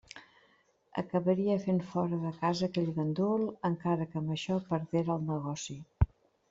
Acabaria fent fora de casa aquell gandul, encara que amb això perdera el negoci.